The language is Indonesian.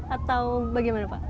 atau bagaimana pak